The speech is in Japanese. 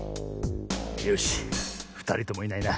よしふたりともいないな。